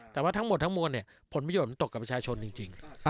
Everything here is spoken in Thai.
แต่ว่าทั้งหมดทั้งมวลผลประโยชน์มันตกกับประชาชนจริง